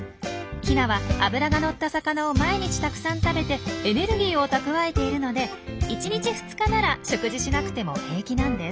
ヒナは脂が乗った魚を毎日たくさん食べてエネルギーを蓄えているので１日２日なら食事しなくても平気なんです。